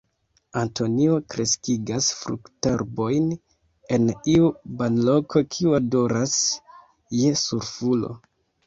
Antonio kreskigas fruktarbojn en iu banloko kiu odoras je sulfuro.